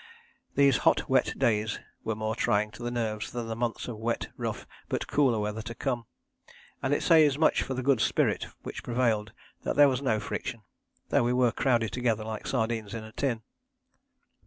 These hot, wet days were more trying to the nerves than the months of wet, rough but cooler weather to come, and it says much for the good spirit which prevailed that there was no friction, though we were crowded together like sardines in a tin.